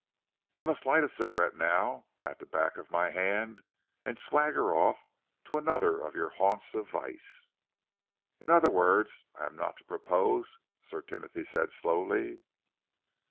You must light a cigarette now, pat the back of my hand, and swagger off to another of your haunts of vice." "In other words, I am not to propose?" Sir Timothy said slowly.